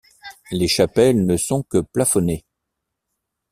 Les chapelles ne sont que plafonnées.